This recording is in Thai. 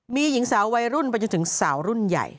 มีหญิงสาววัยรุ่นไปจนถึงสาวรุ่นใหญ่